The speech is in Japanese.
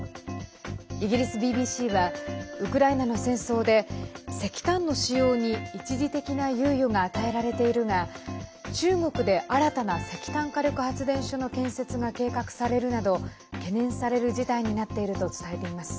イギリスＢＢＣはウクライナの戦争で石炭の使用に一時的な猶予が与えられているが中国で新たな石炭火力発電所の建設が計画されるなど懸念される事態になっていると伝えています。